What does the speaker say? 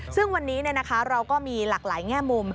ซึ่งวันนี้เราก็มีหลากหลายแง่มุม